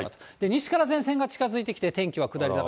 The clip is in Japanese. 西から前線が近づいてきて、天気は下り坂。